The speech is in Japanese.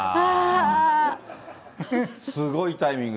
すごいタイミング。